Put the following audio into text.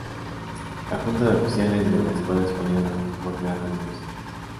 La Junta de Oficiales de la escuadra española volvió a reunirse.